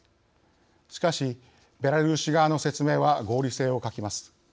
しかしベラルーシ側の説明は合理性を欠きます。